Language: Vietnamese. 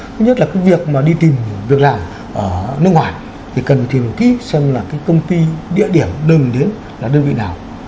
thứ nhất là cái việc mà đi tìm việc làm ở nước ngoài thì cần tìm một ký xem là cái công ty địa điểm đơn vị đến là đơn vị nào